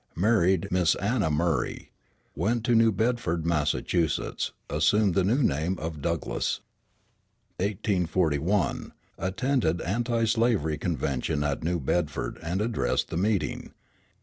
Married Miss Anna Murray. Went to New Bedford, Massachusetts. Assumed the name of "Douglass." 1841 Attended anti slavery convention at New Bedford and addressed the meeting.